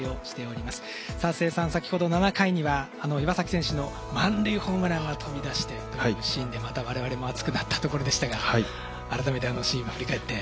先ほど７回にはあの岩崎選手の満塁ホームランが飛び出してというシーンでまた我々も熱くなったところでしたが改めてあのシーン今振り返って。